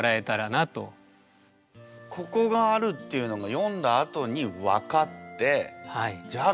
ここがあるっていうのが読んだあとに分かってじゃあ